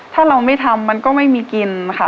ถ้าเราไม่ทำมันก็ไม่มีกินค่ะ